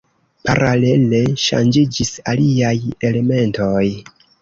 Paralele ŝanĝiĝis aliaj elementoj.